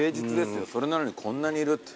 それなのにこんなにいるって。